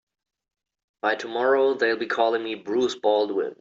By tomorrow they'll be calling me Bruce Baldwin.